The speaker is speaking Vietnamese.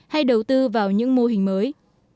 hay đầu tư vào những mô hình mới